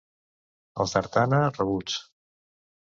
Els d'Artana, rabuts.